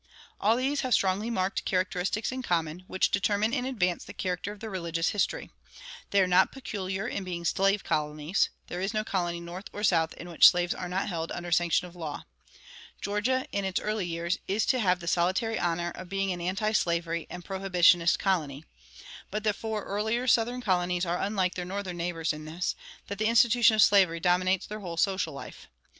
All these have strongly marked characteristics in common, which determine in advance the character of their religious history. They are not peculiar in being slave colonies; there is no colony North or South in which slaves are not held under sanction of law. Georgia, in its early years, is to have the solitary honor of being an antislavery and prohibitionist colony. But the four earlier Southern colonies are unlike their Northern neighbors in this, that the institution of slavery dominates their whole social life.